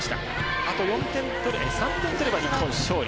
あと３点取れば日本、勝利。